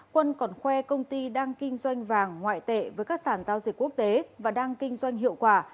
quân còn khoe công ty đang kinh doanh vàng ngoại tệ với các sản giao dịch quốc tế và đang kinh doanh hiệu quả